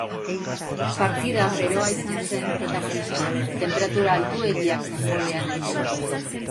Partidan beroa izan zen protagonista, tenperatura altuegiak futbolean aritzeko.